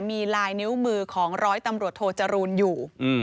มีลายนิ้วมือของร้อยตำรวจโทจรูลอยู่